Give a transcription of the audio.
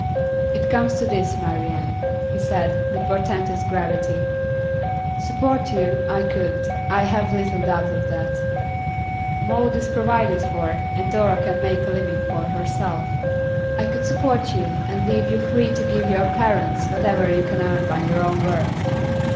'It comes to this, Marian,' he said, with portentous gravity. 'Support you, I could I have little doubt of that. Maud is provided for, and Dora can make a living for herself. I could support you and leave you free to give your parents whatever you can earn by your own work.